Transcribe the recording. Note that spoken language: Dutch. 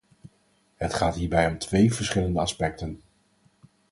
Het gaat hierbij om twee verschillende aspecten.